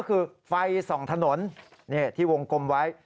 คือไฟส่องถนนที่วงกลมไว้